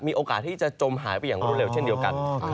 มีโอกาสที่จะจมหายไปอย่างรวดเร็วเช่นเดียวกัน